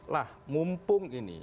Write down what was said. nah mumpung ini